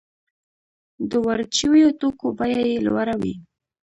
د وارد شویو توکو بیه یې لوړه وي